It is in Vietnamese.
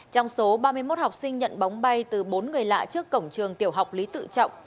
trong số ba mươi một học sinh nhận bóng bay từ bốn người lạ trước cổng trường tiểu học lý tự trọng